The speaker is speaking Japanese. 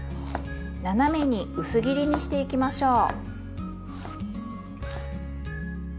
斜めに薄切りにしていきましょう。